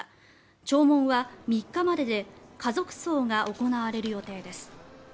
弔問は３日までで家族葬が行われる予定です。